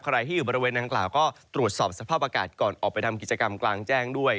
ใครที่อยู่บริเวณนางกล่าวก็ตรวจสอบสภาพอากาศก่อนออกไปทำกิจกรรมกลางแจ้งด้วย